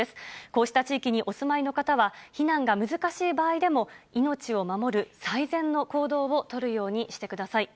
こうした地域にお住まいの方は、避難が難しい場合でも、命を守る最善の行動を取るようにしてください。